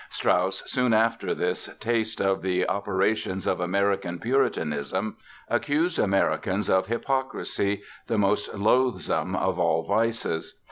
Strauss soon after this taste of the operations of American puritanism accused Americans of "hypocrisy, the most loathsome of all vices."